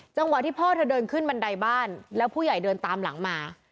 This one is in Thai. จังหวะที่พ่อเธอเดินขึ้นบันไดบ้านแล้วผู้ใหญ่เดินตามหลังมา